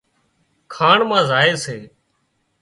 کاڻ مان زائي سي